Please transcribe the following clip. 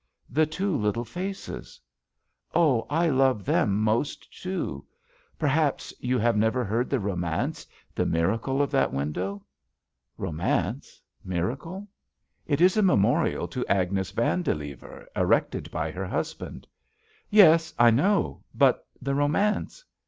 "The two little faces." "Oh ! and I love them most, too. Perhaps JUST SWEETHEARTS you have never heard the romance, the mira cle of that window." "Romance? Miracle?" It is a memorial to Agnes Vandilever, erected by her husband." "Yes, I know. But the romance